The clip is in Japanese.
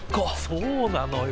そうなのよ。